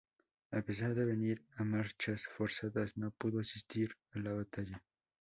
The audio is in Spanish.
A pesar de venir a marchas forzadas, no pudo asistir a la batalla.